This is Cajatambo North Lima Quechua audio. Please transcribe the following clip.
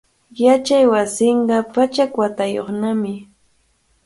Yachaywasinqa pachak watayuqnami.